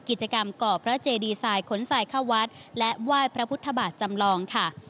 กิจกรรมก่อพระเจดีไซน์ขนทรายเข้าวัดและไหว้พระพุทธบาทจำลองค่ะ